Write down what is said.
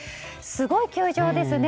すごい球場ですね。